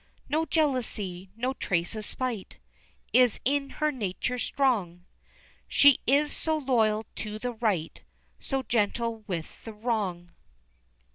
No jealousy, no trace of spite Is in her nature strong, She is so loyal to the right, So gentle with the wrong.